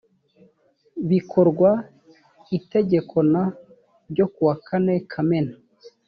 bikorwa itegeko n ryo kuwa kane kamena